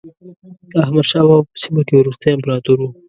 احمد شاه بابا په سیمه کې وروستی امپراتور و.